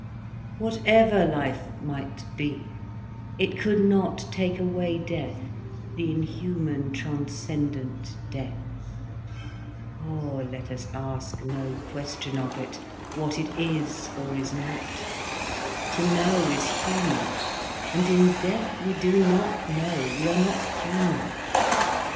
Whatever life might be, it could not take away death, the inhuman transcendent death. Oh, let us ask no question of it, what it is or is not. To know is human, and in death we do not know, we are not human.